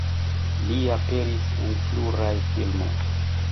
Li aperis en pluraj filmoj.